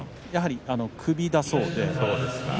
やはり首だそうです。